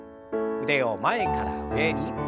腕を前から上に。